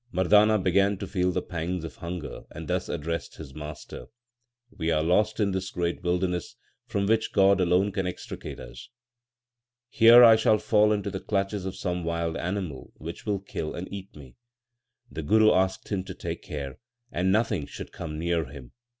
Mardana began to feel the pangs of hunger, and thus addressed his master : We are lost in this great wilderness, from which God alone can extricate us. Here I shall fall into the clutches of some wild animal which will kill and eat me/ The Guru asked him to take care, and nothing should come near him.